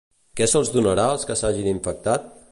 Què se'ls donarà als que s'hagin infectat?